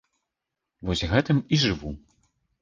Вось гэтым і жыву.